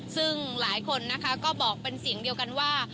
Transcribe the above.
ซึ่งหลายคนนะคะก็บอกเป็นเสียงเดียวกันว่า